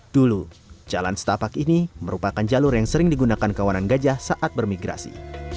dulu jalan setapak ini merupakan jalur yang sering digunakan kawanan gajah saat bermigrasi